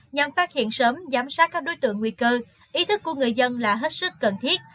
nhằm phát hiện sớm giám sát các đối tượng nguy cơ ý thức của người dân là hết sức cần thiết